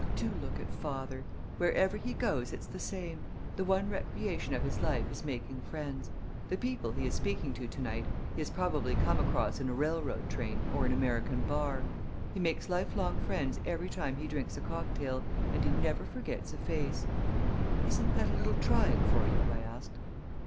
"Do look at father! Wherever he goes it's the same. The one recreation of his life is making friends. The people he is speaking to to night he has probably come across in a railroad train or an American bar. He makes lifelong friendships every time he drinks a cocktail, and he never forgets a face." "Isn't that a little trying for you?" I asked.